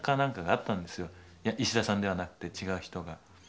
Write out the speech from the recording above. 石田さんではなくて違う人が。